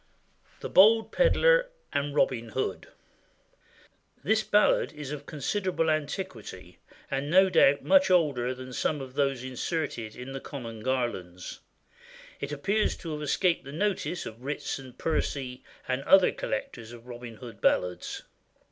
THE BOLD PEDLAR AND ROBIN HOOD. [THIS ballad is of considerable antiquity, and no doubt much older than some of those inserted in the common Garlands. It appears to have escaped the notice of Ritson, Percy, and other collectors of Robin Hood ballads.